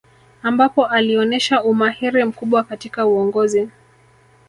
Ambapo alionesha umahiri mkubwa katika uongozi